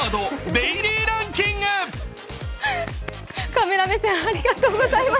カメラ目線ありがとうございます。